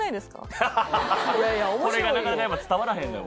これがなかなかやっぱ伝わらへんのよ